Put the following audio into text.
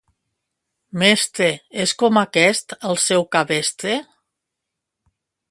Mestre, és com aquest el seu cabestre?